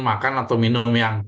makan atau minum yang